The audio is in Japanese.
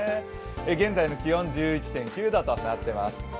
現在の気温は１１．９度となっています。